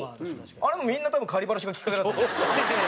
あれもみんな多分バラシがきっかけだと。